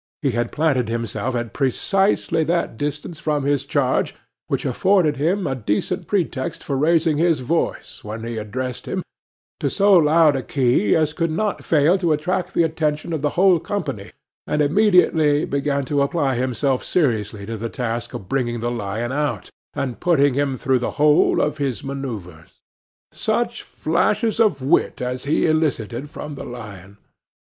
He had planted himself at precisely that distance from his charge which afforded him a decent pretext for raising his voice, when he addressed him, to so loud a key, as could not fail to attract the attention of the whole company, and immediately began to apply himself seriously to the task of bringing the lion out, and putting him through the whole of his manœuvres. Such flashes of wit as he elicited from the lion!